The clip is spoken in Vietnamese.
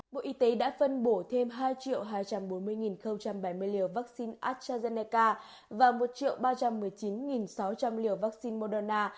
bộ y tế đã phân bổ thêm hai hai trăm bốn mươi bảy mươi liều vaccine astrazeneca và một ba trăm một mươi chín sáu trăm linh liều vaccine moderna